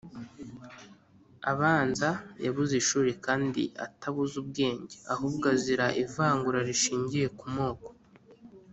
abanza yabuze ishuri kandi atabuze ubwenge ahubwo azira ivangura rishingiye ku moko